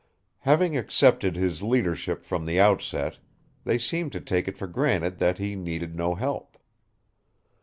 Having accepted his leadership from the outset, they seemed to take it for granted that he needed no help.